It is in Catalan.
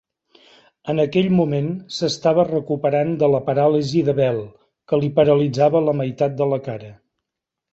En aquell moment, s'estava recuperant de la paràlisi de Bell, que li paralitzava la meitat de la cara.